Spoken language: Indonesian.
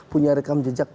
punya rekam jejak